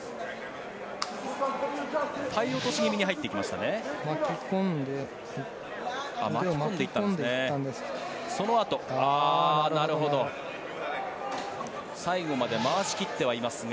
体落とし気味に入っていきましたね。